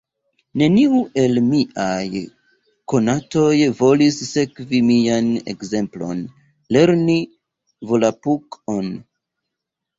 Neniu el miaj konatoj volis sekvi mian ekzemplon, lerni Volapuk-on.